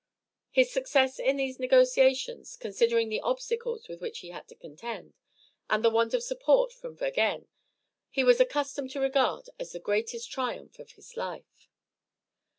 His success in these negotiations, considering the obstacles with which he had to contend, and the want of support from Vergennes, he was accustomed to regard as the greatest triumph of his life.